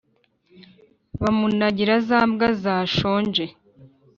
bamunagira za mbwa zashonje,